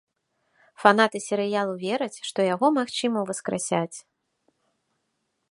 Фанаты серыялу вераць, што яго, магчыма, уваскрасяць.